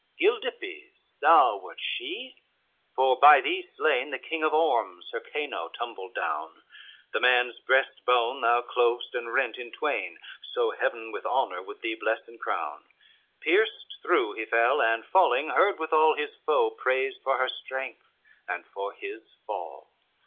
Gildippes thou wert she, for by thee slain The King of Orms, Hircano, tumbled down, The man's breastbone thou clov'st and rent in twain, So Heaven with honor would thee bless and crown, Pierced through he fell, and falling hard withal His foe praised for her strength and for his fall.